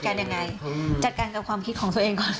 กันยังไงจัดการกับความคิดของตัวเองก่อน